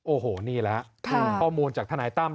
โอ้โหนี่แหละข้อมูลจากทนายตั้ม